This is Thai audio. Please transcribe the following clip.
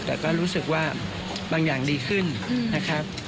แต่ก็รู้สึกว่าบางอย่างดีขึ้นนะครับ